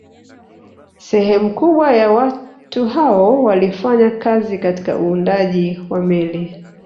Sehemu kubwa ya watu hao walifanya kazi katika uundaji wa meli